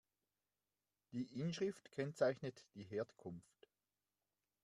Die Inschrift kennzeichnet die Herkunft.